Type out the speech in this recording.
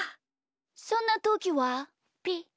そんなときはピッ。